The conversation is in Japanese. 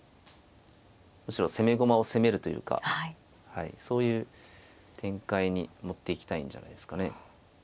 むしろ攻め駒を責めるというかそういう展開に持っていきたいんじゃないですかね。